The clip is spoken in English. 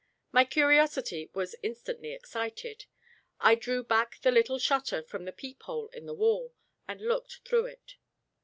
My curiosity was instantly excited. I drew back the little shutter from the peephole in the wall, and looked through it.